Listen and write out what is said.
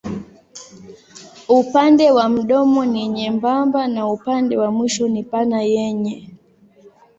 Upande wa mdomo ni nyembamba na upande wa mwisho ni pana yenye.